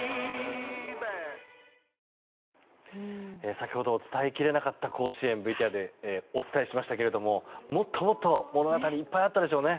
先ほど伝えきれなかった甲子園ＶＴＲでお伝えしましたけれどももっともっと物語いっぱいあったでしょうね。